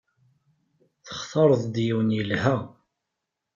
Textareḍ-d yiwen yelha.